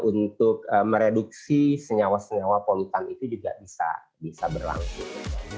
untuk mereduksi senyawa senyawa polutan itu juga bisa berlangsung